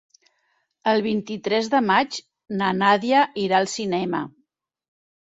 El vint-i-tres de maig na Nàdia irà al cinema.